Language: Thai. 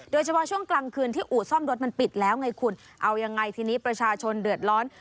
โดยเฉพาะช่วงกลางคืนที่อู่ซ่อมรถมันปิดแล้วไงคุณเอายังไงทีนี้ประชาชนเดือดร้อน